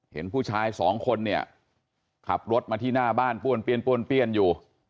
เห็นผู้ชายสองคนเนี่ยขับรถมาที่หน้าบ้านป้วนเปี้ยนอยู่